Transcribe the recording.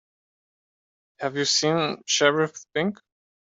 Have you seen Sheriff Pink?